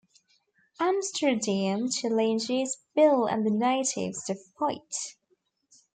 Amsterdam challenges Bill and the Natives to fight.